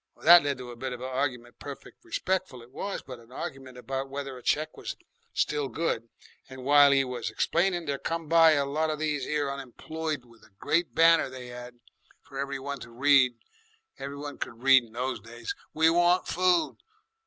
Well, that led to a bit of a argument, perfect respectful it was, but a argument about whether a cheque was still good, and while 'e was explaining there come by a lot of these here unemployed with a great banner they 'ad for every one to read every one could read those days 'We want Food.'